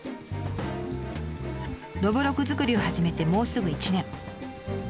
どぶろく造りを始めてもうすぐ１年。